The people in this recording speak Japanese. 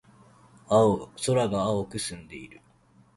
空が青く澄んでいる。